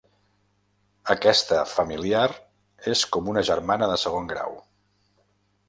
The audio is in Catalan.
Aquesta familiar és com una germana de segon grau.